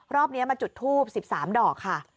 รอบนี้มาจุดทูบ๑๓ดอกค่ะ